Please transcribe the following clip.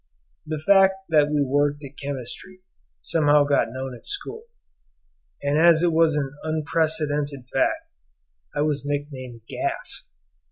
The fact that we worked at chemistry somehow got known at school, and as it was an unprecedented fact, I was nicknamed "Gas."